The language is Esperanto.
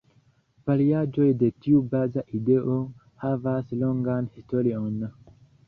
Variaĵoj de tiu baza ideo havas longan historion.